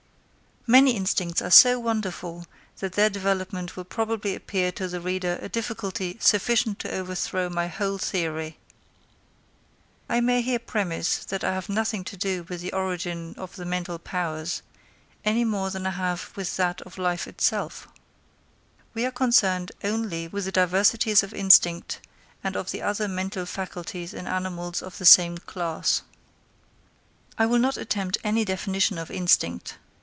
Many instincts are so wonderful that their development will probably appear to the reader a difficulty sufficient to overthrow my whole theory. I may here premise, that I have nothing to do with the origin of the mental powers, any more than I have with that of life itself. We are concerned only with the diversities of instinct and of the other mental faculties in animals of the same class. I will not attempt any definition of instinct.